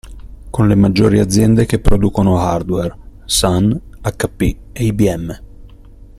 Con le maggiori aziende che producono hardware (Sun, HP e IBM).